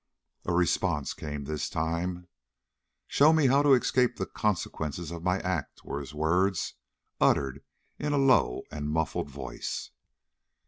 A response came this time. "Show me how to escape the consequences of my act," were his words, uttered in a low and muffled voice.